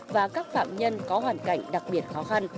và các phạm nhân có hoàn cảnh đặc biệt khó khăn